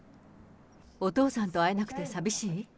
お父さんと会えなくて寂しい？